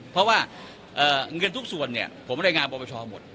เพราะว่าเงินทุกส่วนเนี่ยผมได้งานประวัติศาสตร์หมด